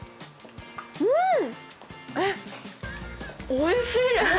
おいしい。